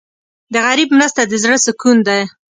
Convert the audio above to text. د غریب مرسته د زړه سکون ده.